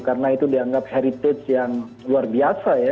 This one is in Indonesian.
karena itu dianggap heritage yang luar biasa ya